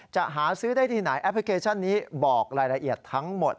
จะหาซื้อได้ที่ไหนแอปพลิเคชันนี้บอกรายละเอียดทั้งหมด